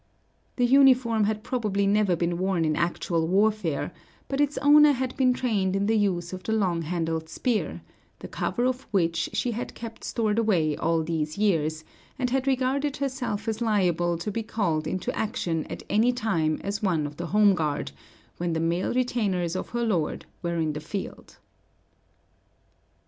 The uniform had probably never been worn in actual warfare, but its owner had been trained in the use of the long handled spear, the cover of which she had kept stored away all these years; and had regarded herself as liable to be called into action at any time as one of the home guard, when the male retainers of her lord were in the field.